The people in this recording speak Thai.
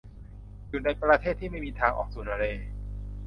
อยู่ในประเทศที่ไม่มีทางออกสู่ทะเล